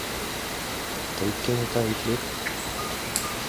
— Тый кенета ит лек.